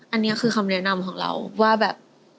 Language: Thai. อันนี้คือคำแนะนำของเราว่าแบบ